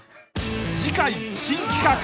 ［次回新企画］